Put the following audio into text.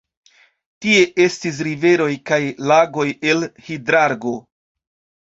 Tie estis riveroj kaj lagoj el hidrargo.